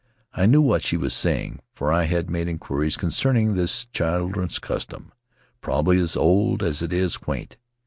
I knew what she was saying, for I had made inquiries concern ing this children's custom — probably as old as it is quaint.